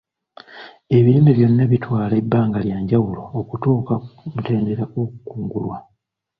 Ebirime byonna bitwala ebbanga lya njawulo okutuuka ku mutendera gw'okukungulwa.